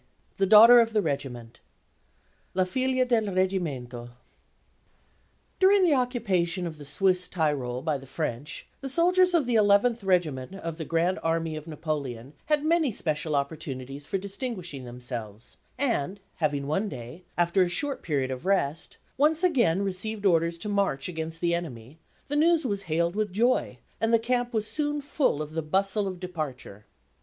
THE DAUGHTER OF THE REGIMENT (La Figlia del Reggimento) During the occupation of the Swiss Tyrol by the French, the soldiers of the Eleventh Regiment of the Grand Army of Napoleon had many special opportunities for distinguishing themselves; and, having one day, after a short period of rest, once again received orders to march against the enemy, the news was hailed with joy, and the camp was soon full of the bustle of departure.